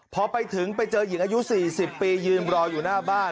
พอไปถึงไปเจอหญิงอายุ๔๐ปียืนรออยู่หน้าบ้าน